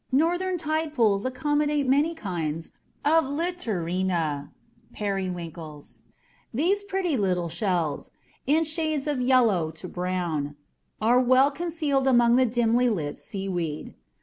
Northern tide pools accommodate many kinds of LITTORINA ("periwinkles"). These pretty little shells, in shades from yellow to brown, are well concealed among the dimly lit seaweed.